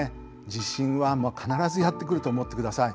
地震は必ずやって来ると思ってください。